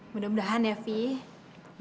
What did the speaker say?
mudah mudahan ya vivi